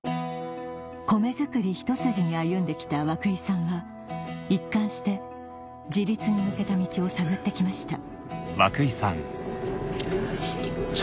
コメ作りひと筋に歩んで来た涌井さんは一貫して自立に向けた道を探って来ました